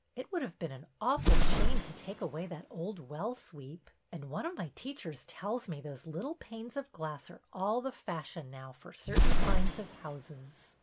It would have been an awful shame to take away that old well sweep. And one of my teachers tells me those little panes of glass are all the fashion now for certain kinds of houses.